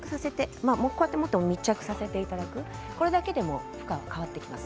密着させていただくこれだけでも負荷が変わってきます。